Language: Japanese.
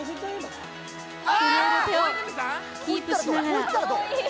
震える手をキープしながら。